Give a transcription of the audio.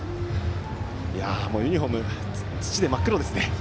もう、ユニフォームが土で真っ黒ですね。